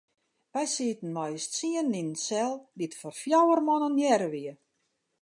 Wy sieten mei ús tsienen yn in sel dy't foar fjouwer man ornearre wie.